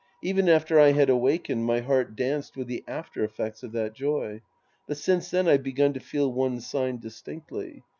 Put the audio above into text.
Even after I had awakened, my heart danced with the after effects of that joy. But since then I've begun to feel one sign distinctly.